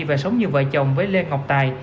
và sống như vợ chồng với lê ngọc tài